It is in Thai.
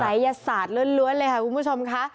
ยศาสตร์ล้วนเลยค่ะคุณผู้ชมค่ะ